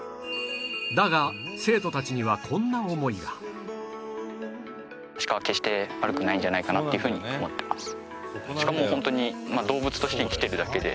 だが生徒たちにはこんな思いがなんじゃないかなっていうふうに思います。